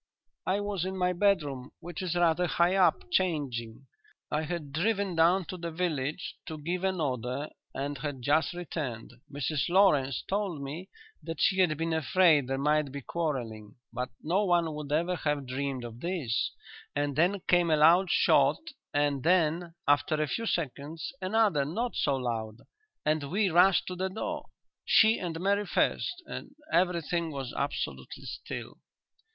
"I was in my bedroom, which is rather high up, changing. I had driven down to the village, to give an order, and had just returned. Mrs Lawrence told me that she had been afraid there might be quarrelling, but no one would ever have dreamed of this, and then came a loud shot and then, after a few seconds, another not so loud, and we rushed to the door she and Mary first and everything was absolutely still."